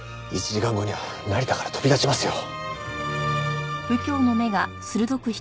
１時間後には成田から飛び立ちますよ。